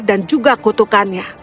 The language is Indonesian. dan juga kutukannya